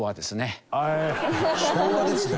「昭和ですね」。